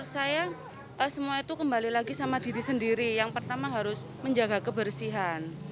saya semua itu kembali lagi sama diri sendiri yang pertama harus menjaga kebersihan